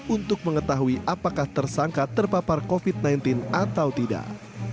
untuk mengetahui apakah tersangka terpapar covid sembilan belas atau tidak